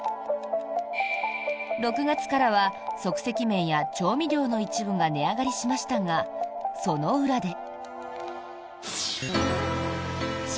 ６月からは即席麺や調味料の一部が値上がりしましたがその裏で。